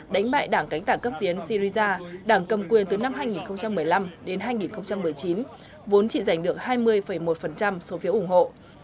đánh bại đảng cánh tả cấp tiến sirisa đảng cầm quyền từ năm hai nghìn một mươi năm đến hai nghìn một mươi chín vốn chỉ giành được hai mươi một số phiếu ủng hộ